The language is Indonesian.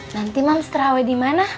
nanti mams terawet dimana